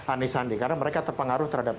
anies sandi karena mereka terpengaruh terhadap